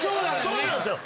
そうなんすよ。